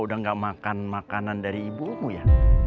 udah gak makan makanan dari ibumu ya